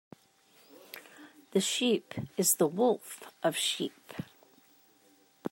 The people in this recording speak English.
The sheep is the wolf of sheep.